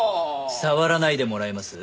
触らないでもらえます？